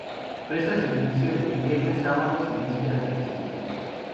Presta servicio los viernes, sábados y vísperas de festivos.